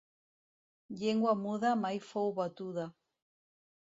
Llengua muda mai fou batuda.